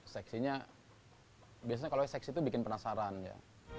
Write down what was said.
seksinya biasanya kalau seksi itu bikin penasaran ya